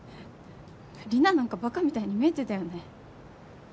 リナなんかバカみたいに見えてたよね？